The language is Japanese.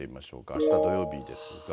あした土曜日ですが。